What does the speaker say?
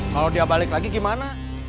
kalau dia balik lagi gimana